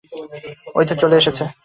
ওইতো চলে এসেছে।